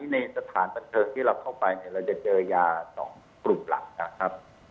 ในสถานบันเทิงที่เราเข้าไปเนี่ยเราจะเจอยา๒กลุ่มหลักนะครับ